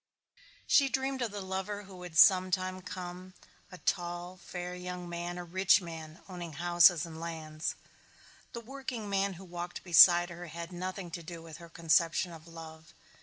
She dreamed of the lover who would some time come, a tall fair young man, a rich man owning houses and lands. The workingman who walked beside her had nothing to do with her conception of love.